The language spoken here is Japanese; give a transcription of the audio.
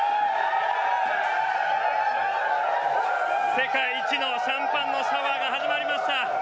世界一のシャンパンのシャワーが始まりました。